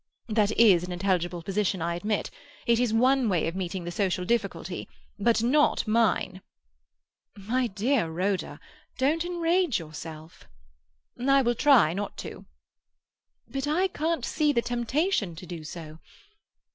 That is an intelligible position, I admit. It is one way of meeting the social difficulty. But not mine." "My dear Rhoda, don't enrage yourself." "I will try not to." "But I can't see the temptation to do so.